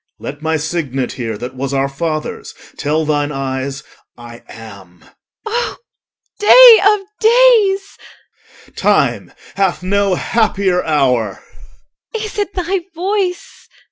OR. Let my signet here, That was our father's, tell thine eyes, I am. EL. O day of days! OR. Time hath no happier hour. EL. Is it thy voice?